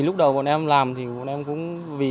lúc đầu bọn em làm thì bọn em cũng